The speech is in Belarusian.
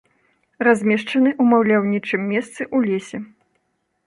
Размешчаны ў маляўнічым месцы ў лесе.